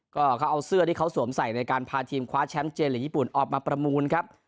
ก็เขาเอาเสื้อที่เขาสวมใส่ในการพาทีมคว้าแชมป์เจลีกญี่ปุ่นออกมาประมูลครับ